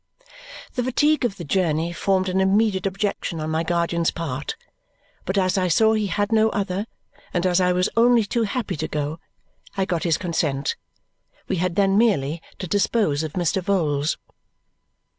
The fatigue of the journey formed an immediate objection on my guardian's part, but as I saw he had no other, and as I was only too happy to go, I got his consent. We had then merely to dispose of Mr. Vholes.